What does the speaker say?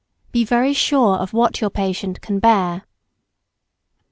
Be very sure of what your patient can bear.